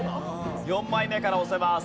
４枚目から押せます。